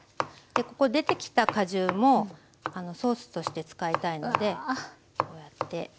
ここ出てきた果汁もソースとして使いたいのでこうやって。